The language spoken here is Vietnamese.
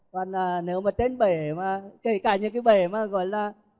còn nếu mà trên bể mà kể cả những cái bể mà gọi là